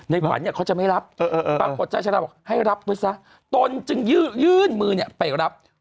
ขวัญเนี่ยเขาจะไม่รับปรากฏจาชาดาบอกให้รับไว้ซะตนจึงยื่นมือเนี่ยไปรับ